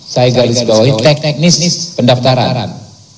saya garis garis bahwa teknisis pendaftaran